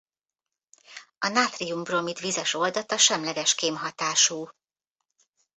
A nátrium-bromid vizes oldata semleges kémhatású.